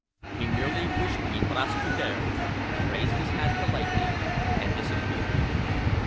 He merely wished me "sdravstvuite" raised his hat politely and disappeared.